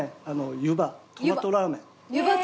ゆばトマトラーメン。